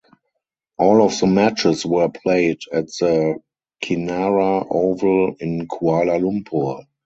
All of the matches were played at the Kinrara Oval in Kuala Lumpur.